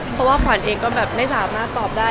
เพราะว่าขวัญเองก็แบบไม่สามารถตอบได้